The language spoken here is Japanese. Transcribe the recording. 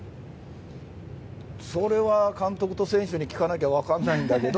それは監督と選手に聞かなきゃ分からないんだけど。